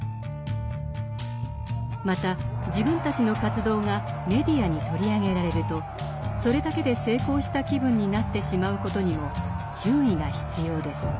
また自分たちの活動がメディアに取り上げられるとそれだけで成功した気分になってしまうことにも注意が必要です。